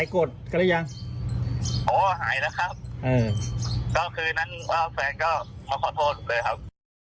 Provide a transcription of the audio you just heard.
ครับล้มครับ